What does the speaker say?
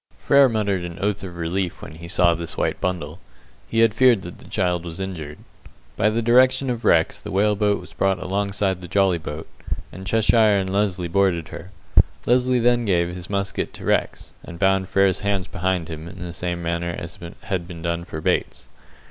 Frere muttered an oath of relief when he saw this white bundle. He had feared that the child was injured. By the direction of Rex the whale boat was brought alongside the jolly boat, and Cheshire and Lesly boarded her. Lesly then gave his musket to Rex, and bound Frere's hands behind him, in the same manner as had been done for Bates.